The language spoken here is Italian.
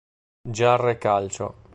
Giarre Calcio.